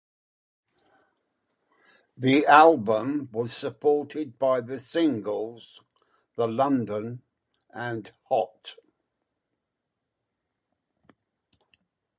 The album was supported by the singles "The London" and "Hot".